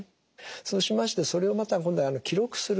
そうしましてそれをまた今度は記録する。